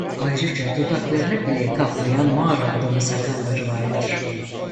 Ayrıca dudaklarını bile kaplayan mağara adamı sakalları vardır.